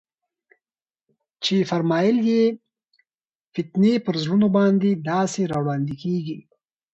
چي فرمايل ئې: فتنې پر زړونو باندي داسي راوړاندي كېږي